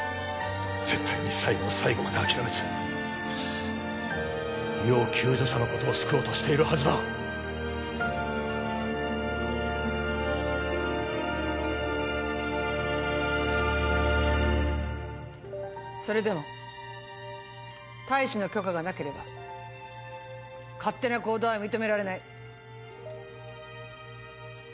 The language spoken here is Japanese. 絶対に最後の最後まで諦めず要救助者のことを救おうとしているはずだそれでも大使の許可がなければ勝手な行動は認められない